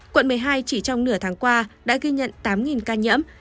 quận một mươi hai chỉ trong nửa tháng qua đã ghi nhận tám ca nhiễm